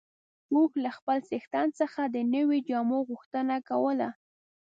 اوښ له خپل څښتن څخه د نويو جامو غوښتنه کوله.